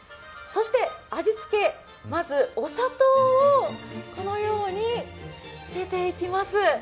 そして、味付け、まずお砂糖をこのようにつけていきます。